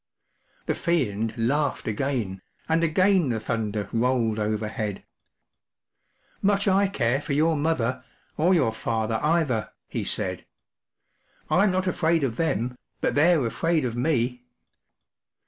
” The Fiend laughed again, and again the thunder rolled overhead, 44 Much I care for your mother, or your father either,” he said. 44 I'm not afraid of them, but they’re afraid of me.